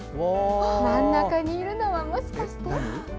真ん中にいるのは、もしかして。